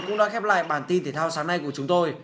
cũng đã khép lại bản tin thể thao sáng nay của chúng tôi